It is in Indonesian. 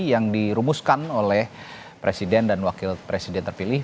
yang dirumuskan oleh presiden dan wakil presiden terpilih